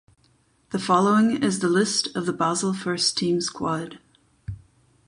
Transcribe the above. The following is the list of the Basel first team squad.